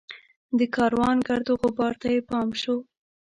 د کاروان ګرد وغبار ته یې پام شو.